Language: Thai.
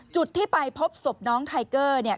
จุดที่ไปพบศพน้องไทเกอร์เนี่ย